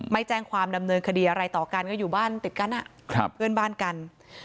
ไม่แจ้งความดำเนินคดีอะไรต่อกันก็อยู่บ้านติดกันเพื่อนบ้านกัน